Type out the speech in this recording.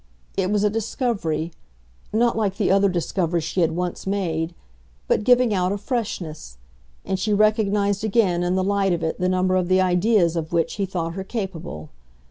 It was a discovery not like the other discovery she had once made, but giving out a freshness; and she recognised again in the light of it the number of the ideas of which he thought her capable.